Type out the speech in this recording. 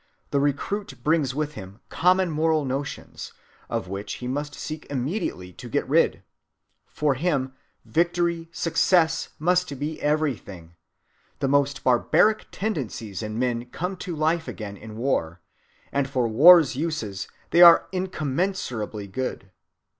The recruit brings with him common moral notions, of which he must seek immediately to get rid. For him victory, success, must be everything. The most barbaric tendencies in men come to life again in war, and for war's uses they are incommensurably good."